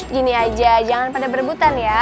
gini aja jangan pada berebutan ya